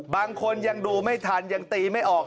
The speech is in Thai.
บางคนยังดูไม่ทันยังตีไม่ออก